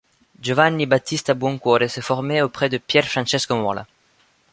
Giovanni Battista Buocuore s'est formé auprès de Pier Francesco Mola.